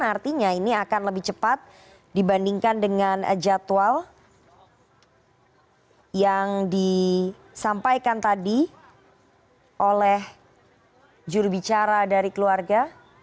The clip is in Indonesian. artinya ini akan lebih cepat dibandingkan dengan jadwal yang disampaikan tadi oleh jurubicara dari keluarga